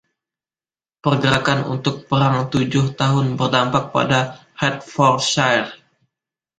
Pergerakan untuk Perang Tujuh Tahun berdampak pada Hertfordshire.